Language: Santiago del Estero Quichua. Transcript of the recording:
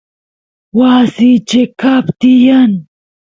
wasiy cheqap tiyan